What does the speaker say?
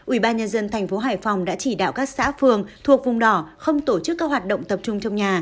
ubnd tp hải phòng đã chỉ đạo các xã phường thuộc vùng đỏ không tổ chức các hoạt động tập trung trong nhà